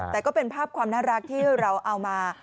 แต่ก็เป็นภาพความน่ารักที่เราเอามา